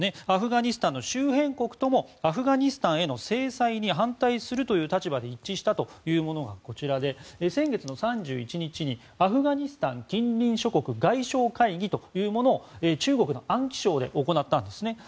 アフガニスタンの周辺国ともアフガニスタンへの制裁に反対する立場で一致したというもので先月の３１日にアフガニスタン近隣諸国外相会議というものを中国の安徽省で行ったんですね。